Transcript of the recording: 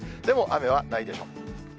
でも雨はないでしょう。